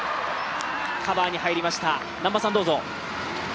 カバーに入りました。